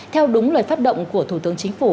theo đúng lời phát động của thủ tướng chính phủ